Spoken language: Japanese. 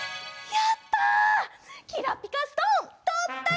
やった！